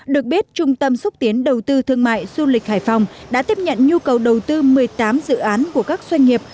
được biết trung tâm xúc tiến đầu tư thương mại du lịch hải phòng đã tiếp nhận nhu cầu đầu tư một mươi tám dự án của các doanh nghiệp